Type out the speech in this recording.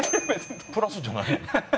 プラスじゃないの？